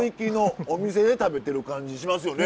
お店で食べてる感じしますよね。